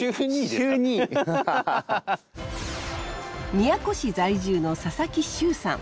宮古市在住の佐々木修さん。